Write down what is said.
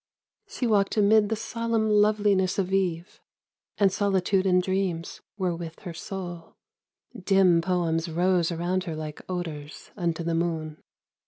She walked amid the solemn loveliness of eve : O Cho San 33 And solitude and dreams were with her soul ; Dim poems rose around her like odours Unto the moon.